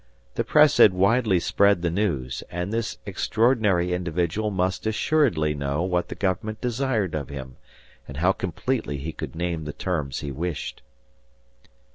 The press had widely spread the news, and this extraordinary individual must assuredly know what the government desired of him, and how completely he could name the terms he wished.